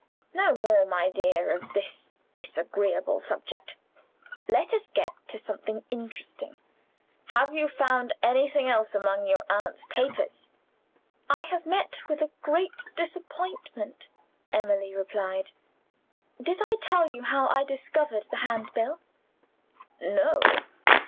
No more, my dear, of this disagreeable subject! Let us get to something interesting. Have you found anything else among your aunt's papers?" "I have met with a great disappointment," Emily replied. "Did I tell you how I discovered the Handbill?" "No."